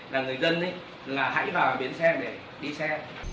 là người dân là hãy vào bến xe để đi xe